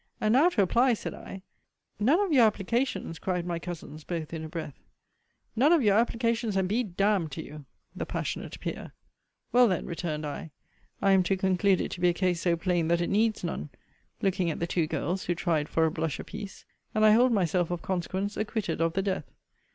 And now to apply, said I None of your applications, cried my cousins, both in a breath. None of your applications, and be d d to you, the passionate Peer. Well then, returned I, I am to conclude it to be a case so plain that it needs none; looking at the two girls, who tried for a blush a piece. And I hold myself, of consequence, acquitted of the death.